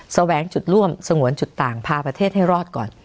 แสวงจุดร่วมสงวนจุดต่างพาประเทศให้รอดก่อน